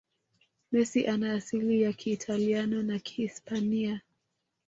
Messi ana asili ya kiitaliano na kihispania